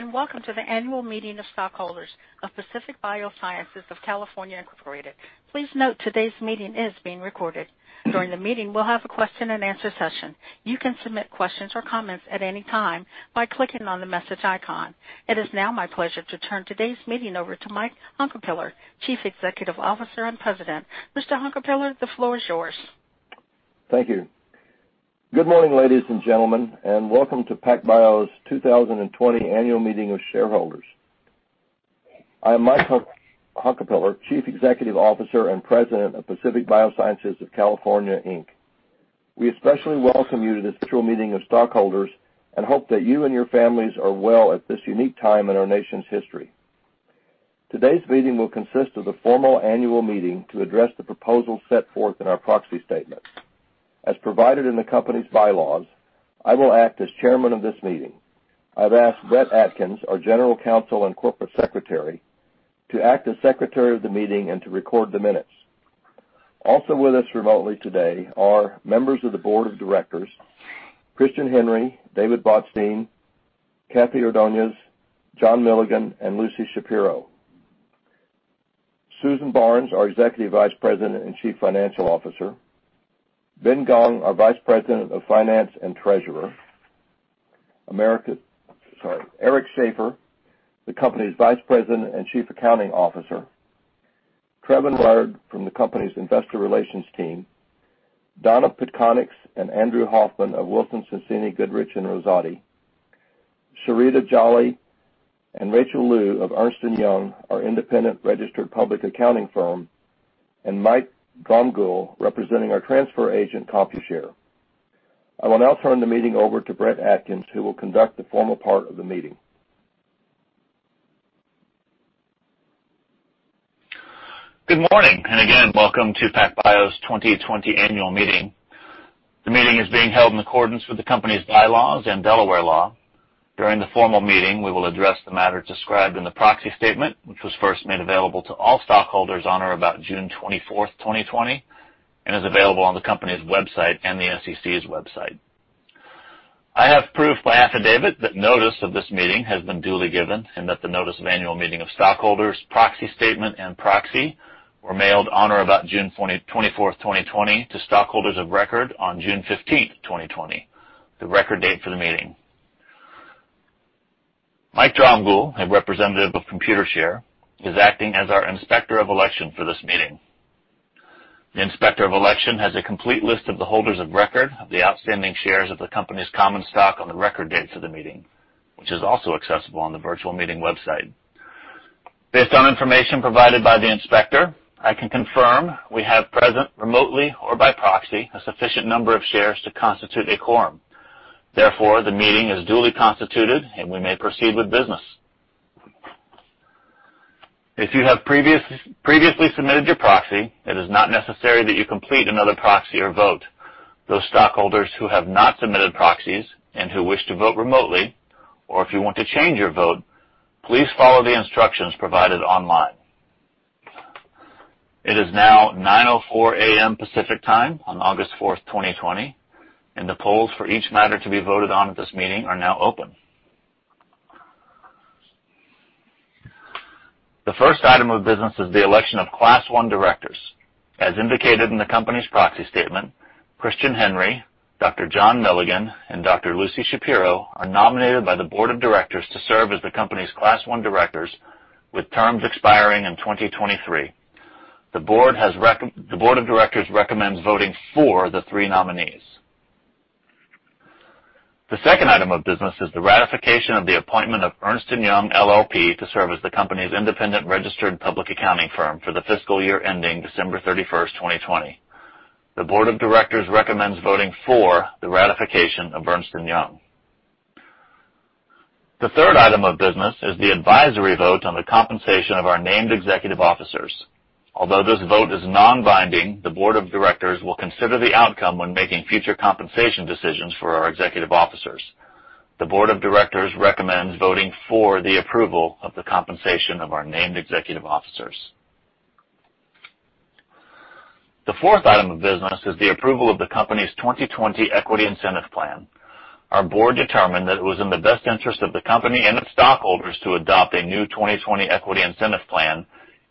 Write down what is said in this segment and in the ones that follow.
Hello, welcome to the annual meeting of stockholders of Pacific Biosciences of California, Inc.. Please note, today's meeting is being recorded. During the meeting, we'll have a question and answer session. You can submit questions or comments at any time by clicking on the message icon. It is now my pleasure to turn today's meeting over to Michael Hunkapiller, Chief Executive Officer and President. Mr. Hunkapiller, the floor is yours. Thank you. Good morning, ladies and gentlemen, and welcome to PacBio's 2020 annual meeting of shareholders. I am Mike Hunkapiller, Chief Executive Officer and President of Pacific Biosciences of California, Inc. We especially welcome you to this virtual meeting of stockholders and hope that you and your families are well at this unique time in our nation's history. Today's meeting will consist of the formal annual meeting to address the proposals set forth in our proxy statement. As provided in the company's bylaws, I will act as chairman of this meeting. I've asked Brett Atkins, our General Counsel and Corporate Secretary, to act as secretary of the meeting and to record the minutes. Also with us remotely today are members of the board of directors, Christian Henry, David Botstein, Kathy Ordoñez, John Milligan, and Lucy Shapiro. Susan Barnes, our Executive Vice President and Chief Financial Officer, Ben Gong, our Vice President of Finance and Treasurer, Eric Schaefer, the company's Vice President and Chief Accounting Officer, Trevin Rard from the company's investor relations team, Donna Petkanics and Andrew Hoffman of Wilson Sonsini Goodrich & Rosati, Sharita Jolly and Rachel Liu of Ernst & Young, our independent registered public accounting firm, and Mike Drumgoole, representing our transfer agent, Computershare. I will now turn the meeting over to Brett Atkins, who will conduct the formal part of the meeting. Good morning, and again, welcome to PacBio's 2020 annual meeting. The meeting is being held in accordance with the company's bylaws and Delaware law. During the formal meeting, we will address the matters described in the proxy statement, which was first made available to all stockholders on or about June 24th, 2020, and is available on the company's website and the SEC's website. I have proof by affidavit that notice of this meeting has been duly given and that the notice of annual meeting of stockholders, proxy statement, and proxy were mailed on or about June 24th, 2020 to stockholders of record on June 15th, 2020, the record date for the meeting. Mike Dramgul, a representative of Computershare, is acting as our Inspector of Election for this meeting. The Inspector of Election has a complete list of the holders of record of the outstanding shares of the company's common stock on the record date of the meeting, which is also accessible on the virtual meeting website. Based on information provided by the inspector, I can confirm we have present, remotely or by proxy, a sufficient number of shares to constitute a quorum. Therefore, the meeting is duly constituted, and we may proceed with business. If you have previously submitted your proxy, it is not necessary that you complete another proxy or vote. Those stockholders who have not submitted proxies and who wish to vote remotely, or if you want to change your vote, please follow the instructions provided online. It is now 9:04 A.M. Pacific Time on August 4, 2020, and the polls for each matter to be voted on at this meeting are now open. The first item of business is the election of Class 1 directors. As indicated in the company's proxy statement, Christian Henry, Dr. John Milligan, and Dr. Lucy Shapiro are nominated by the board of directors to serve as the company's Class 1 directors with terms expiring in 2023. The board of directors recommends voting for the three nominees. The second item of business is the ratification of the appointment of Ernst & Young LLP to serve as the company's independent registered public accounting firm for the fiscal year ending December 31st, 2020. The board of directors recommends voting for the ratification of Ernst & Young. The third item of business is the advisory vote on the compensation of our named executive officers. Although this vote is non-binding, the board of directors will consider the outcome when making future compensation decisions for our executive officers. The board of directors recommends voting for the approval of the compensation of our named executive officers. The fourth item of business is the approval of the company's 2020 Equity Incentive Plan. Our board determined that it was in the best interest of the company and its stockholders to adopt a new 2020 Equity Incentive Plan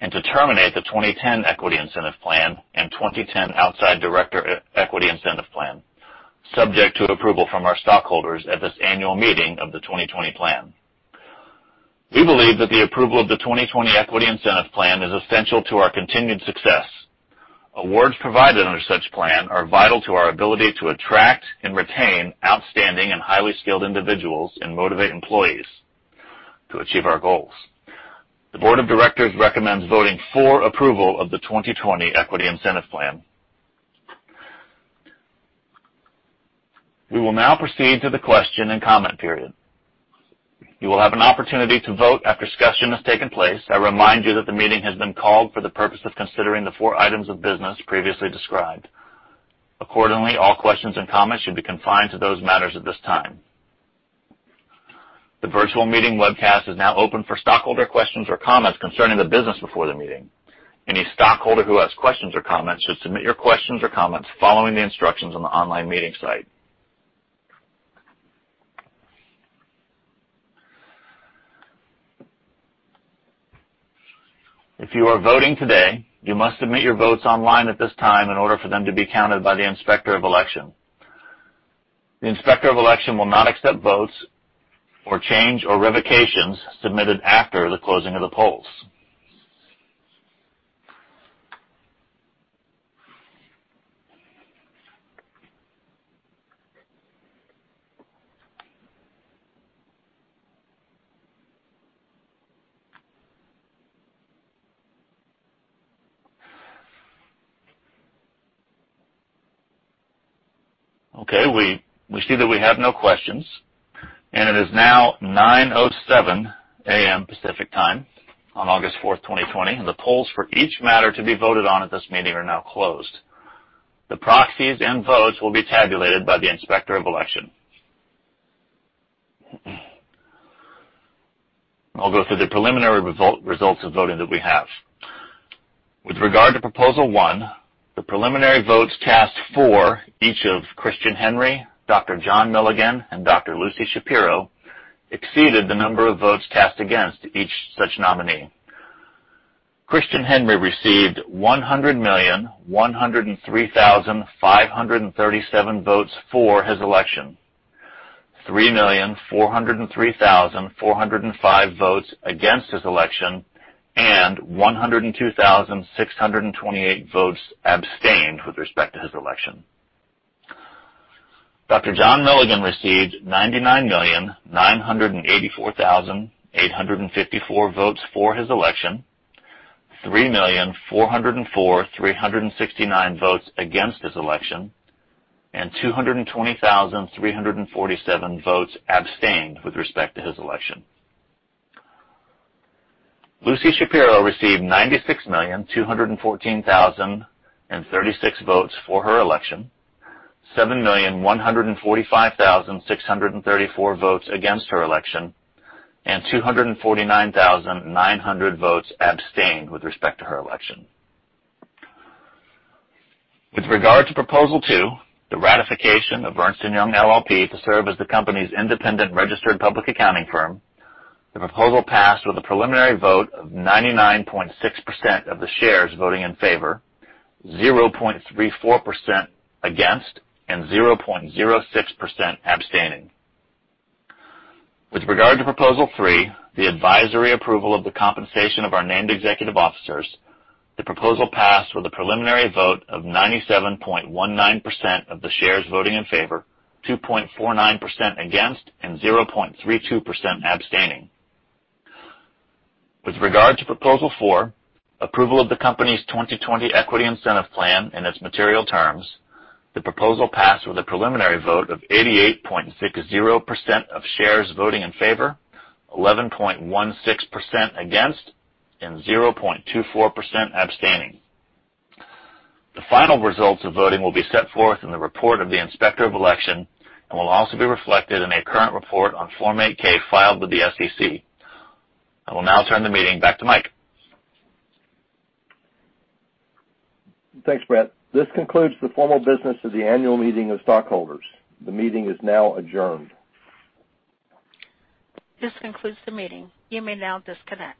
and to terminate the 2010 Equity Incentive Plan and 2010 Outside Director Equity Incentive Plan, subject to approval from our stockholders at this annual meeting of the 2020 Plan. We believe that the approval of the 2020 Equity Incentive Plan is essential to our continued success. Awards provided under such plan are vital to our ability to attract and retain outstanding and highly skilled individuals and motivate employees to achieve our goals. The board of directors recommends voting for approval of the 2020 Equity Incentive Plan. We will now proceed to the question and comment period. You will have an opportunity to vote after discussion has taken place. I remind you that the meeting has been called for the purpose of considering the four items of business previously described. Accordingly, all questions and comments should be confined to those matters at this time. The virtual meeting webcast is now open for stockholder questions or comments concerning the business before the meeting. Any stockholder who has questions or comments, just submit your questions or comments following the instructions on the online meeting site. If you are voting today, you must submit your votes online at this time in order for them to be counted by the Inspector of Election. The Inspector of Election will not accept votes or change or revocations submitted after the closing of the polls. We see that we have no questions, and it is now 9:07 A.M. Pacific Time on August 4, 2020, and the polls for each matter to be voted on at this meeting are now closed. The proxies and votes will be tabulated by the Inspector of Election. I'll go through the preliminary results of voting that we have. With regard to proposal one, the preliminary votes cast for each of Christian Henry, Dr. John Milligan, and Dr. Lucy Shapiro exceeded the number of votes cast against each such nominee. Christian Henry received 100,103,537 votes for his election, 3,403,405 votes against his election, and 102,628 votes abstained with respect to his election. Dr. John Milligan received 99,984,854 votes for his election, 3,404,369 votes against his election, and 220,347 votes abstained with respect to his election. Lucy Shapiro received 96,214,036 votes for her election, 7,145,634 votes against her election, and 249,900 votes abstained with respect to her election. With regard to proposal two, the ratification of Ernst & Young LLP to serve as the company's independent registered public accounting firm, the proposal passed with a preliminary vote of 99.6% of the shares voting in favor, 0.34% against, and 0.06% abstaining. With regard to proposal three, the advisory approval of the compensation of our named executive officers, the proposal passed with a preliminary vote of 97.19% of the shares voting in favor, 2.49% against, and 0.32% abstaining. With regard to proposal four, approval of the company's 2020 Equity Incentive Plan and its material terms, the proposal passed with a preliminary vote of 88.60% of shares voting in favor, 11.16% against, and 0.24% abstaining. The final results of voting will be set forth in the report of the Inspector of Election and will also be reflected in a current report on Form 8-K filed with the SEC. I will now turn the meeting back to Mike. Thanks, Brett. This concludes the formal business of the annual meeting of stockholders. The meeting is now adjourned. This concludes the meeting. You may now disconnect.